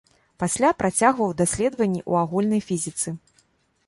Пасля, працягваў даследаванні ў агульнай фізіцы.